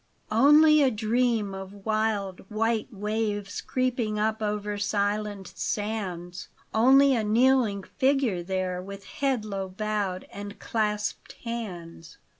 NLY a dream of wild, white waves Creeping up over silent sands ; Only a kneeling figure there, With head low bowed and clasped hands.